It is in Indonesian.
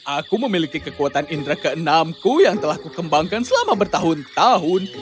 aku memiliki kekuatan indera ke enam ku yang telah kukembangkan selama bertahun tahun